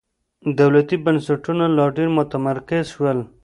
دولتي بنسټونه لا ډېر متمرکز شول.